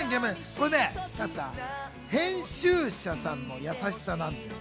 これね、編集者さんの優しさなんですよ。